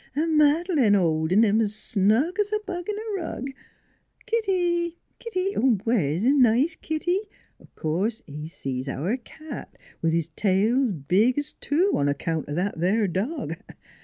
An' Mad'lane a holdin' him 's snug 's a bug in a rug. ... Kitty kitty! Where's th' nice kitty? ... Course he sees our cat, with his tail's big's two on 'count o' that there dog.